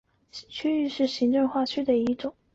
区域是行政区划的一种。